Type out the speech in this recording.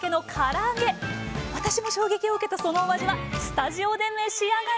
私も衝撃を受けたそのお味はスタジオで召し上がれ！